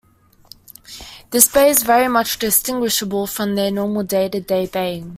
This bay is very much distinguishable from their normal day to day baying.